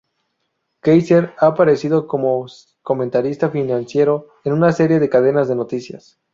Keiser ha aparecido como comentarista financiero en una serie de cadenas de noticias.